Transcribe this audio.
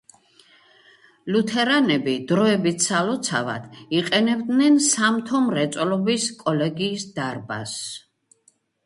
ლუთერანები დროებით სალოცავად იყენებდნენ სამთო მრეწველობის კოლეგიის დარბაზს.